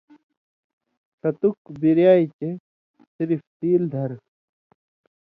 ݜتُک بِریائ چے صرف تیل دھرہۡ ،